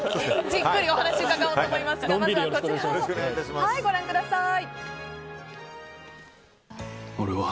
じっくりお話伺おうと思いますがまずはこちらをご覧ください。